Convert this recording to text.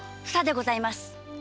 「ふさ」でございます。